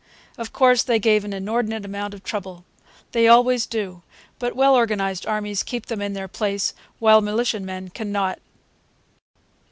Of course, they gave an inordinate amount of trouble. They always do. But well organized armies keep them in their place; while militiamen can not.